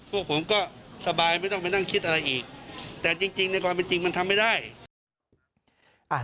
ผู้ผมก็สบายไม่ต้องไปนั่งคิดอะไรอีก